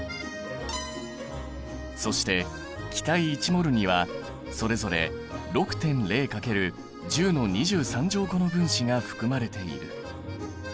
そして気体１ｍｏｌにはそれぞれ６．０×１０個の分子が含まれている。